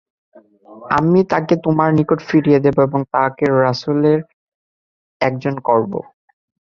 আমি তাকে তোমার নিকট ফিরিয়ে দেব এবং তাকে রাসূলদের একজন করব।